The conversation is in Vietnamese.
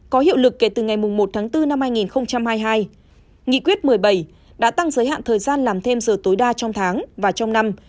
có hiệu lực kể từ ngày một tháng bốn năm hai nghìn hai mươi hai nghị quyết một mươi bảy đã tăng giới hạn thời gian làm thêm giờ tối đa trong tháng và trong năm